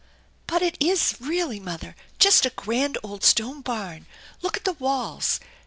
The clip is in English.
" "But it is, really, mother, just a grand old stone barn! Look at the walls.